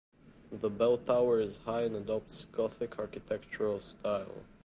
The bell tower is high and adopts Gothic architectural style.